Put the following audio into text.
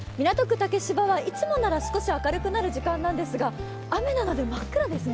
竹芝は、いつもなら少し明るくなる時間なんですが雨なので真っ暗ですね。